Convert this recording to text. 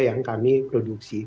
yang kami produksi